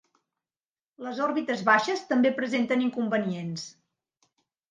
Les òrbites baixes també presenten inconvenients.